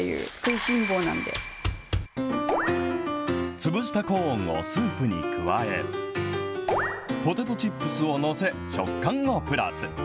潰したコーンをスープに加え、ポテトチップスを載せ、食感をプラス。